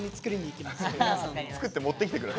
作って持ってきてくれ。